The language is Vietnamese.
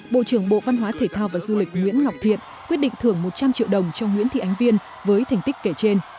bộ trưởng bộ văn hóa thể thao và du lịch nguyễn ngọc thiện quyết định thưởng một trăm linh triệu đồng cho nguyễn thị ánh viên với thành tích kể trên